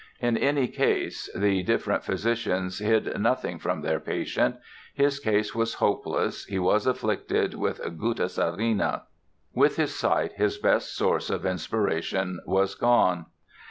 In any case, the different physicians hid nothing from their patient. His case was hopeless, he was afflicted with "gutta serena". With his sight his best source of inspiration was gone.